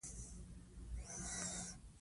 زده کړه ښځه د مالي فشار په وړاندې مقاومت لري.